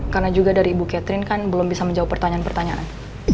karena juga dari ibu catherine kan belum bisa menjawab pertanyaan pertanyaan